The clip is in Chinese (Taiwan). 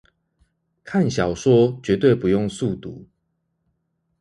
看小說絕對不用速讀